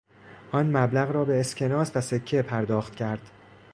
آن مبلغ را به اسکناس و سکه پرداخت کرد.